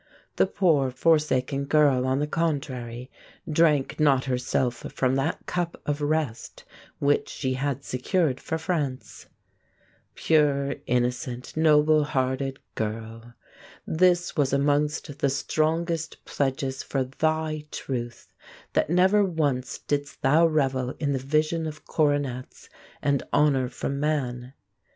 The poor, forsaken girl, on the contrary, drank not herself from that cup of rest which she had secured for France. Pure, innocent, noble hearted girl!... This was amongst the strongest pledges for thy truth, that never once didst thou revel in the vision of coronets and honor from man....